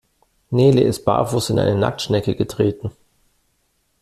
Nele ist barfuß in eine Nacktschnecke getreten.